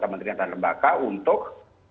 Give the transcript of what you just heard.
menteri dan lembaga untuk